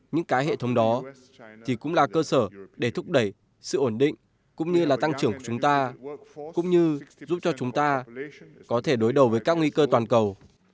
những cái hệ thống đó thì cũng là cơ sở để thúc đẩy sự ổn định cũng như là tăng trưởng của chúng ta cũng như giúp cho chúng ta có thể đối đầu với các nguy cơ toàn cầu